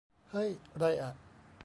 เฮ้ย ไรอะ